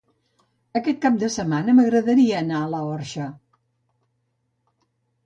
Aquest cap de setmana m'agradaria anar a l'Orxa.